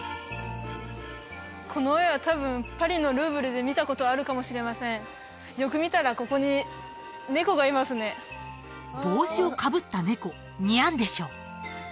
この絵は多分パリのルーブルで見たことあるかもしれませんよく見たらここに猫がいますね帽子をかぶった猫にゃんでしょう？